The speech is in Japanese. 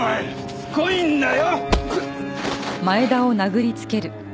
しつこいんだよ！